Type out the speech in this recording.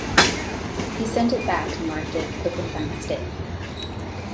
He sent it back and marked it 'Opened by mistake.